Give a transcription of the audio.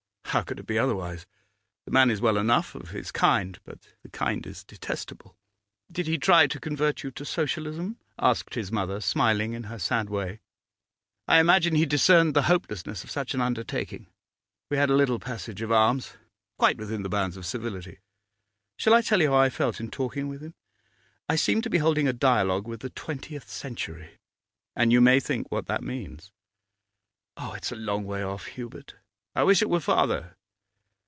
'How could it be otherwise? The man is well enough, of his kind, but the kind is detestable.' 'Did he try to convert you to Socialism?' asked his mother, smiling in her sad way. 'I imagine he discerned the hopelessness of such an under taking. We had a little passage of arms, quite within the bounds of civility. Shall I tell you how I felt in talking with him? I seemed to be holding a dialogue with the twentieth century, and you may think what that means.' 'Ah, it's a long way off, Hubert.' 'I wish it were farther.